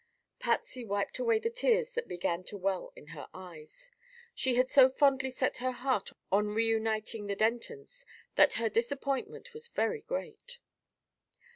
Patsy wiped away the tears that began to well into her eyes. She had so fondly set her heart on reuniting the Dentons that her disappointment was very great.